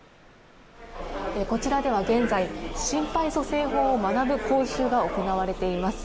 こちらでは現在心肺蘇生法を学ぶ講習が行われています。